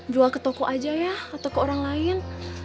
jual ke toko aja ya atau ke orang lain